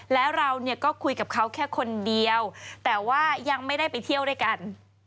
แล้วเราเนี่ยก็คุยกับเขาแค่คนเดียวแต่ว่ายังไม่ได้ไปเที่ยวด้วยกัน